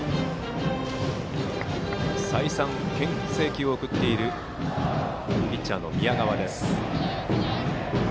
再三、けん制球を送るピッチャーの宮川。